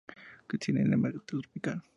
Cinema Tropical.